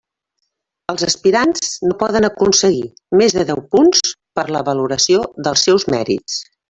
Els aspirants no poden aconseguir més de deu punts per la valoració dels seus mèrits.